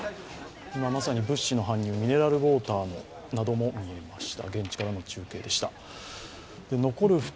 今まさに物資の搬入、ミネラルウォーターなども見えました。